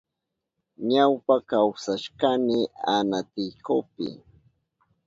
Ñawpa kawsashkani Anaticopi.